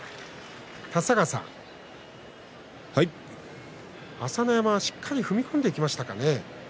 立田川さん、朝乃山はしっかりと踏み込んでいきましたかね。